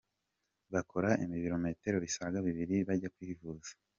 Bakora ibirometero bisaga bibiri bajya kwivuza.